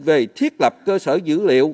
về thiết lập cơ sở dữ liệu